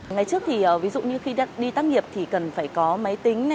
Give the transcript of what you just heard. ngày trước thì ví dụ như khi đi tác nghiệp thì cần phải có máy tính